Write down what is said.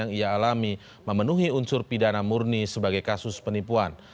yang ia alami memenuhi unsur pidana murni sebagai kasus penipuan